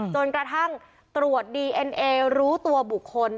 จนกระทั่งตรวจดีเอ็นเอรู้ตัวบุคคล